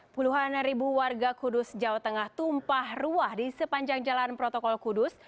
puluhan ribu warga kudus jawa tengah tumpah ruah di sepanjang jalan protokol kudus